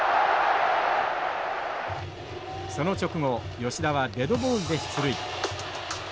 その直後吉田はデッドボールで出塁。